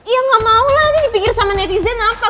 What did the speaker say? iya gak mau lah ini dipikir sama netizen apa